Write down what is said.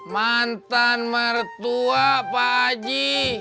mantan mertua pak haji